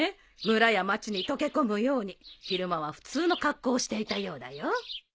村や町に溶け込むように昼間は普通の格好をしていたようだよ。